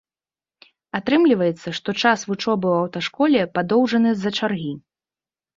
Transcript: Атрымліваецца, што час вучобы ў аўташколе падоўжаны з-за чаргі.